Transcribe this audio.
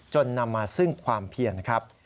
นำมาซึ่งความเพียรครับ